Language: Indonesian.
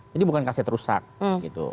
jadi bukan kaset rusak gitu